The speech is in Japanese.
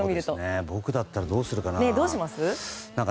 僕だったらどうするかな。